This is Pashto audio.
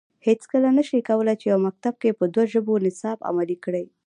هیڅکله نه شي کولای چې یو مکتب کې په دوه ژبو نصاب عملي کړي